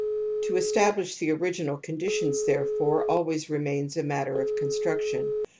To establish the original conditions, therefore, always remains a matter of construction.